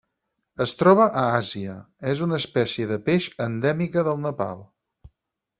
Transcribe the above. Es troba a Àsia: és una espècie de peix endèmica del Nepal.